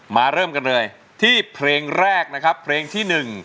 เริ่มกันเลยที่เพลงแรกนะครับเพลงที่๑